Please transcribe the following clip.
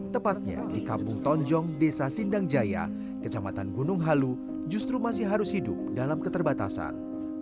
tepatnya di kampung tonjong desa sindang jaya kecamatan gunung halu justru masih harus hidup dalam keterbatasan